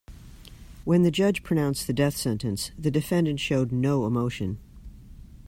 When the judge pronounced the death sentence, the defendant showed no emotion.